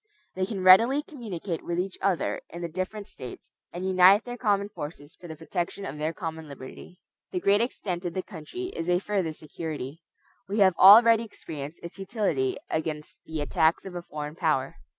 They can readily communicate with each other in the different States, and unite their common forces for the protection of their common liberty. The great extent of the country is a further security. We have already experienced its utility against the attacks of a foreign power.